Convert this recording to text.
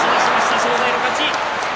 正代の勝ち。